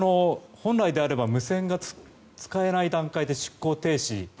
本来であれば無線が使えない段階で出港停止。